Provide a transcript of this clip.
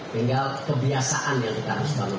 tinggal kebiasaan yang kita harus bangun